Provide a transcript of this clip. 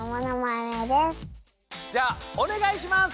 じゃあおねがいします。